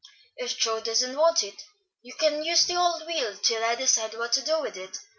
"If Joe doesn't want it, you can use the old wheel till I decide what to do with it.